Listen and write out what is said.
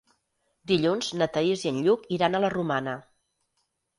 Dilluns na Thaís i en Lluc iran a la Romana.